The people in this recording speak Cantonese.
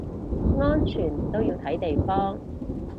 安全都要睇地方